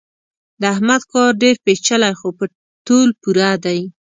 د احمد کار ډېر پېچلی خو په تول پوره دی.